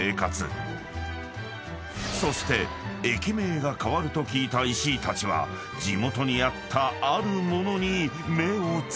［そして駅名が変わると聞いた石井たちは地元にあったあるものに目を付けた］